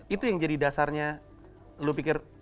itu yang jadi dasarnya lu pikir